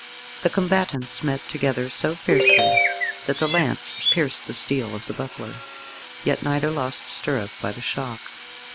The combatants met together so fiercely that the lance pierced the steel of the buckler; yet neither lost stirrup by the shock.